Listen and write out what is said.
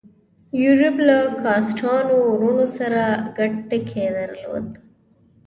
یوریب له کاسټانو وروڼو سره ګډ ټکی درلود.